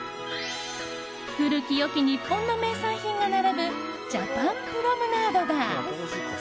古きよき日本の名産品が並ぶジャパンプロムナードが。